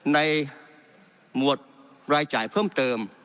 หมวดรายจ่ายเพิ่มเติม